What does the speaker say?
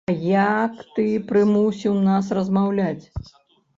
А як ты прымусіў нас размаўляць?